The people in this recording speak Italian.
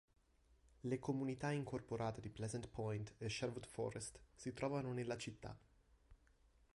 Le comunità incorporate di Pleasant Point e Sherwood Forest si trovano nella città.